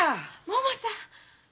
ももさん！